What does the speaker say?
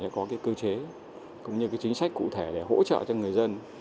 có cơ chế cũng như chính sách cụ thể để hỗ trợ cho người dân